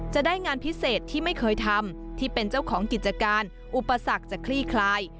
จะได้งานพิเศษที่ไม่เคยทำที่เป็นเจ้าของกิจการอุปสรรคจะคลี่คลาย